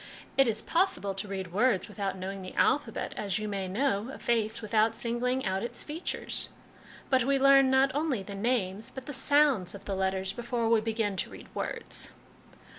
" It is possible to read words without knowing the alphabet, as you may know a face without singling out its features ; but we learn not only the names but the sounds of the letters before we begin to read words."